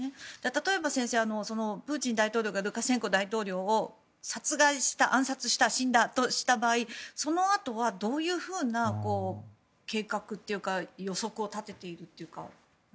例えば、先生プーチン大統領がルカシェンコ大統領を殺害した、暗殺した死んだとした場合そのあとはどういうふうな計画というか予測を立てているというか。